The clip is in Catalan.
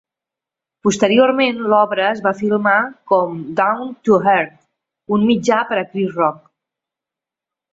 Posteriorment, l'obra es va filmar com "Down to Earth", un mitjà per a Chris Rock.